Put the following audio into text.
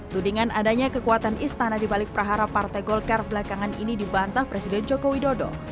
tudingan adanya kekuatan istana di balik prahara partai golkar belakangan ini dibantah presiden jokowi dodo